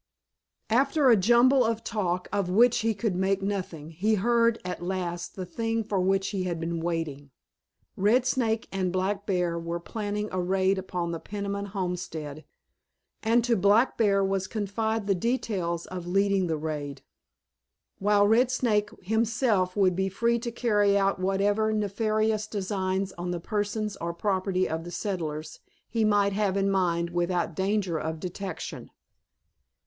After a jumble of talk, of which he could make nothing, he heard at last the thing for which he had been waiting; Red Snake and Black Bear were planning a raid upon the Peniman homestead, and to Black Bear was confided the details of leading the raid, while Red Snake himself would be free to carry out whatever nefarious designs on the persons or property of the settlers he might have in mind without danger of detection.